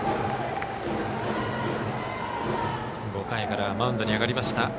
５回からマウンドに上がりました